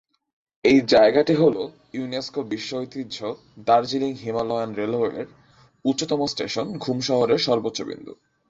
এই জায়গাটি হল ইউনেস্কো বিশ্ব ঐতিহ্য দার্জিলিং হিমালয়ান রেলওয়ের উচ্চতম স্টেশন ঘুম শহরের সর্বোচ্চ বিন্দু।